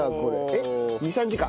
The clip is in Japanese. えっ２３時間？